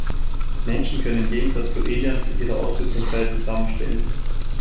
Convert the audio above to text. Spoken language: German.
Menschen können im Gegensatz zu Aliens ihre Ausrüstung frei zusammenstellen.